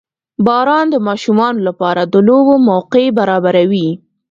• باران د ماشومانو لپاره د لوبو موقع برابروي.